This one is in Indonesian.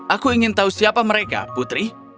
aku ingin tahu siapa mereka putri